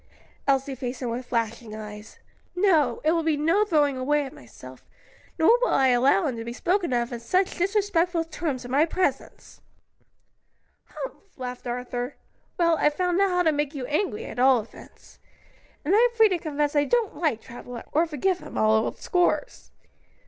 Elsie faced him with flashing eyes. "No; it will be no throwing away of myself, nor will I allow him to be spoken of in such disrespectful terms, in my presence." "Humph!" laughed Arthur. "Well, I've found out how to make you angry, at all events. And I'm free to confess I don't like Travilla, or forgive him all old scores."